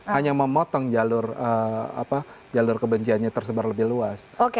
hanya memotong jalur kebenciannya tersebar lebih luas